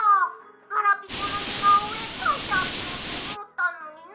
ガラピコのにがおえかいてあげようとおもったのにな。